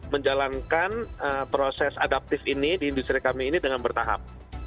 menjalankan proses adaptif ini di industri kami ini dengan bertahap